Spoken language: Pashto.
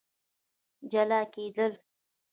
جلا کېدل